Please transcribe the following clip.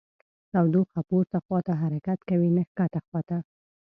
تودوخه پورته خواته حرکت کوي نه ښکته خواته.